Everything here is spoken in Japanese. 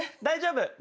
大丈夫。